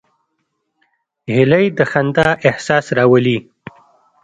هیلۍ د خندا احساس راولي